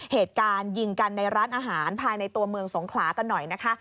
เหตุการณ์ยิงกันในร้านอาหารภายในตัวเมืองสงขลากันหน่อยนะคะ